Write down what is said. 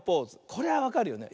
これはわかるよね。